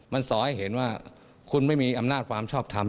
มันสอให้เห็นว่าคุณไม่มีอำนาจความชอบทำ